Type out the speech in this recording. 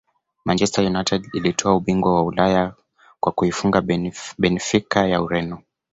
manchester united ilitwaa ubingwa wa ulaya kwa kuifunga benfica ya Ureno